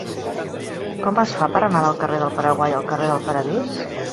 Com es fa per anar del carrer del Paraguai al carrer del Paradís?